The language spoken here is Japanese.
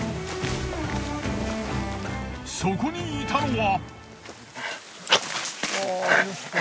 そこにいたのは。